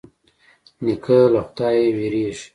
نیکه له خدايه وېرېږي.